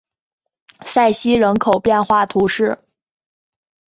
塞西人口变化图示